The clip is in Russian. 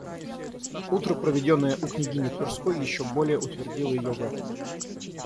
Утро, проведенное у княгини Тверской, еще более утвердило ее в этом.